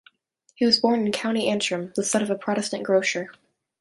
He was born in County Antrim, the son of a Protestant grocer.